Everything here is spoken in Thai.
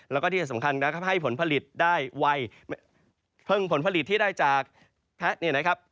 แล้วก็ที่สำคัญนะครับให้ผลผลิตได้ไวเพิ่งผลผลิตที่ได้จากแพะเนี่ยนะครับ